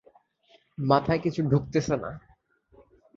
মাথায় কিছু ঢুকতেছে না।